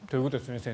先生。